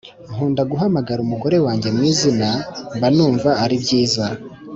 Nkuda guhamagara umugore wanjye mu izina mbanumva aribyiza